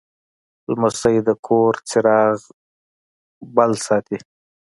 لمسی د کور چراغ بل ساتي.